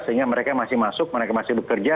sehingga mereka masih masuk mereka masih bekerja